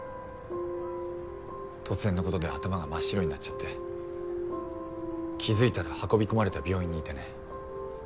突然のことで頭が真っ白になっちゃって気付いたら運びこまれた病院にいてね。